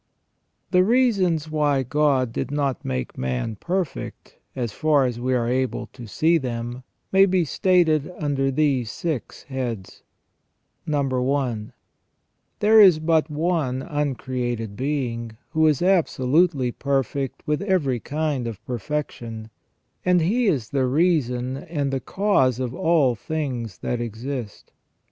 The reasons why God did not make man perfect, as far as we are able to see them, may be stated under these six heads : WHY MAN WAS NOT CREATED PERFECT 259 1. There is but one uncreated Being, who is absolutely perfect with every kind of perfection, and He is the reason and the cause of all things that exist.